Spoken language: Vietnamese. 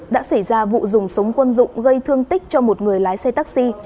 đã xảy ra vụ dùng súng quân dụng gây thương tích cho một người lái xe taxi